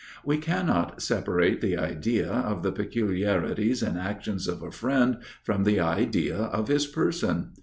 We cannot separate the idea of the peculiarities and actions of a friend from the idea of his person.